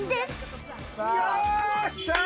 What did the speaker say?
よっしゃー！